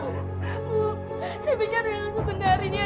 bu saya bicara dengan sebenarnya